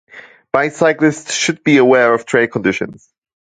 Bicyclists should be aware of trail conditions.